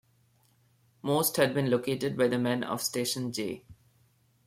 Most had been located by the men of Station J.